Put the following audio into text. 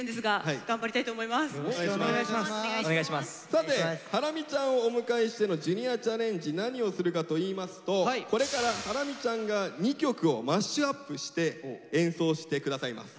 さてハラミちゃんをお迎えしての「ジュニアチャレンジ」何をするかといいますとこれからハラミちゃんが２曲をマッシュアップして演奏して下さいます。